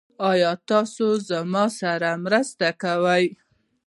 ایا تاسو زما سره مرسته کوئ؟